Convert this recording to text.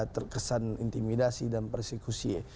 terkesan intimidasi dan persekusi